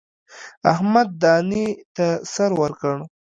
احمد دانې ته سر ورکړ.